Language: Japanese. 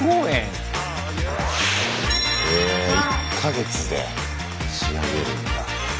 へえ１か月で仕上げるんだ。